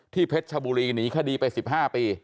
เพชรชบุรีหนีคดีไป๑๕ปี